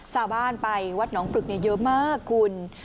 ชาวบ้านไปวัดหนองปรึกเยอะมากคุณ